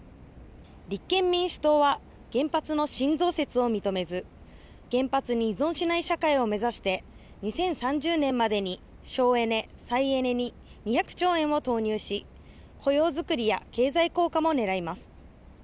立憲民主党は原発の新増設を認めず原発に依存しない社会を目指して２０３０年までに省エネ、再エネに２００兆円を投入し雇用作りや経済効果も狙います。